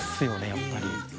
やっぱり。